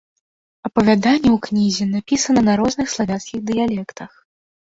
Апавяданні ў кнізе напісаны на розных славянскіх дыялектах.